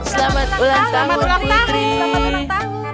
selamat ulang tahun putri